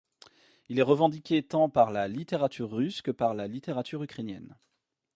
Il est revendiqué tant par la littérature russe que par la littérature ukrainienne.